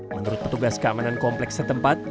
menurut petugas keamanan kompleks setempat